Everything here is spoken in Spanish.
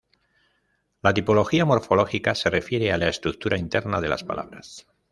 La tipología morfológica se refiere a la estructura interna de las palabras.